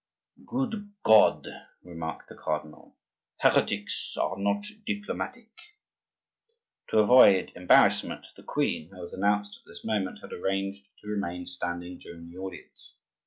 "Good God!" remarked the cardinal, "heretics are not diplomatic!" To avoid embarrassment, the queen, who was announced at this moment, had arranged to remain standing during the audience.